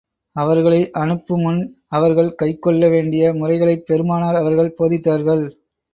அவர்களை அனுப்பு முன் அவர்கள் கைக்கொள்ள வேண்டிய முறைகளைப் பெருமானார் அவர்கள் போதித்தார்கள்.